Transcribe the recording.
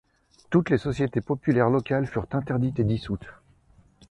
Toutes les sociétés populaires locales furent interdites et dissoutes.